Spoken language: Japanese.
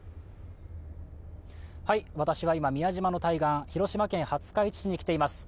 私は今、宮島の対岸、広島県廿日市市に来ています。